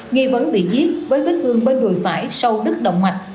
nghi vấn bị giết với vết thương bên đùi phải sâu đứt động mạch